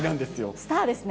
スターですね。